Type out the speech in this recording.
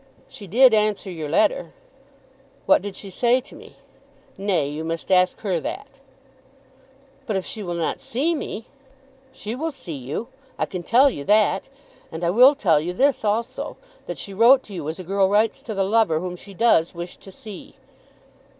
"She did answer your letter." "What did she say to me?" "Nay, you must ask her that." "But if she will not see me?" "She will see you. I can tell you that. And I will tell you this also; that she wrote to you as a girl writes to the lover whom she does wish to see."